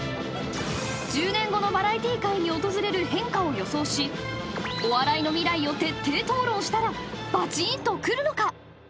［１０年後のバラエティー界に訪れる変化を予想しお笑いの未来を徹底討論したらバチーンとくるのか？］